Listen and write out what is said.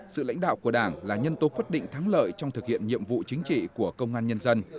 sự lãnh đạo của đảng là nhân tố quyết định thắng lợi trong thực hiện nhiệm vụ chính trị của công an nhân dân